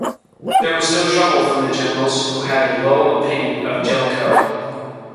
There was no trouble from the generals, who had a low opinion of Jellicoe.